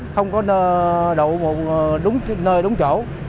không có đậu đúng nơi đúng chỗ